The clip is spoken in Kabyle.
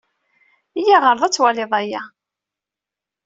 Iyya ɣer da ad twaliḍ aya.